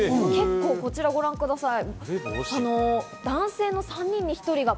こちらをご覧ください。